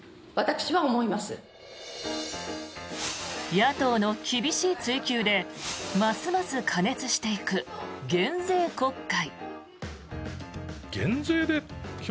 野党の厳しい追及でますます過熱していく減税国会。